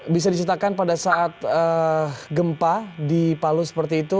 bisa diceritakan pada saat gempa di palu seperti itu